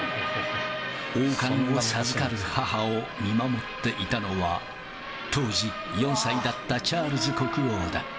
王冠を授かる母を見守っていたのは、当時４歳だったチャールズ国王だ。